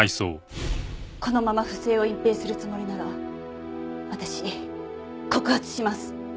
このまま不正を隠蔽するつもりなら私告発します！